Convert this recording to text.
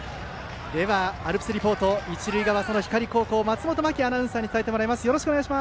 ではアルプスリポート一塁側、光高校松本真季アナウンサーに伝えてもらいます。